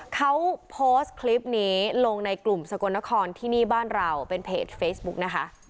เขาโพสต์คลิปนี้ลงในกลุ่มสกลนครที่นี่บ้านเราเป็นเพจเฟซบุ๊กนะคะ